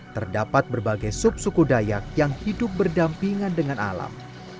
terdapat berbagai subsuku dayak yang hidup berdampingan dengan alam